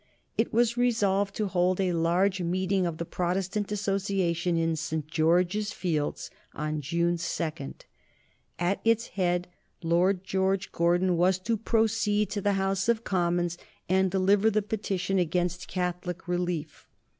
It was resolved to hold a huge meeting of the Protestant Association in St. George's Fields on June 2. At its head Lord George Gordon was to proceed to the House of Commons and deliver the petition against Catholic relief.